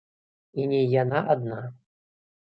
І не яна адна.